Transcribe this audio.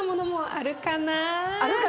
あるかな？